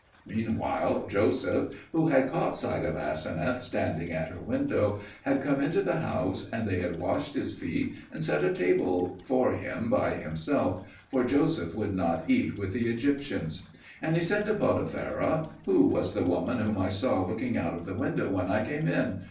Meanwhile Joseph, who had caught sight of Aseneth standing at her window, had come into the house, and they had washed his feet and set a table for him by himself (for Joseph would not eat with the Egyptians). And he said to Potipherah, "Who was the woman whom I saw looking out of the window when I came in?